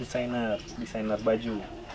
desainer desainer baju